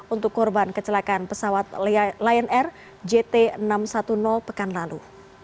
untuk korban kecelakaan pesawat lion air jt enam ratus sepuluh pekan lalu